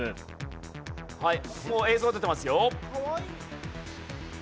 はいもう映像出てますよ。